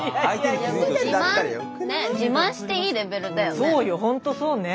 何かそうよほんとそうね。